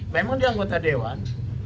memang dia anggota dewan